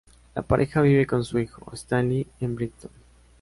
La pareja vive con su hijo, Stanley, en Brighton.